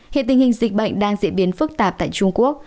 hiện tình hình dịch bệnh đang diễn biến phức tạp tại trung quốc